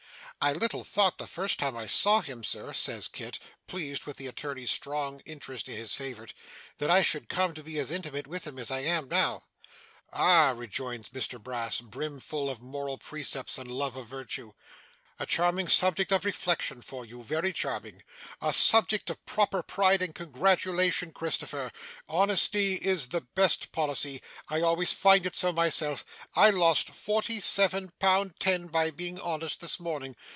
'I little thought the first time I saw him, Sir,' says Kit, pleased with the attorney's strong interest in his favourite, 'that I should come to be as intimate with him as I am now.' 'Ah!' rejoins Mr Brass, brim full of moral precepts and love of virtue. 'A charming subject of reflection for you, very charming. A subject of proper pride and congratulation, Christopher. Honesty is the best policy. I always find it so myself. I lost forty seven pound ten by being honest this morning.